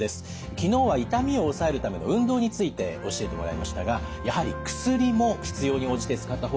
昨日は痛みを抑えるための運動について教えてもらいましたがやはり薬も必要に応じて使った方がよいということなんですよね。